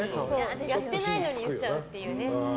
やってないのに言っちゃうという。